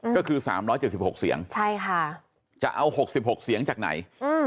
ก็คือ๓๗๖เสียงจะเอา๖๖เสียงจากไหน